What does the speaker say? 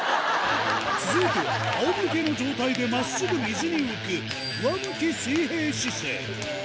続いては、あおむけの状態でまっすぐ水に浮く上向き水平姿勢。